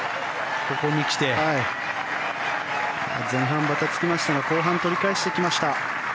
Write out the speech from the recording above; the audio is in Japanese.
前半ばたつきましたが後半取り返してきました。